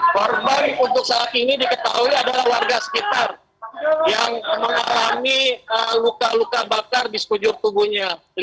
korban untuk saat ini diketahui adalah warga sekitar yang mengalami luka luka bakar di sekujur tubuhnya